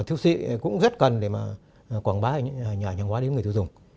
thiêu sĩ cũng rất cần để quảng bá những nhà hàng hóa đến người tiêu dùng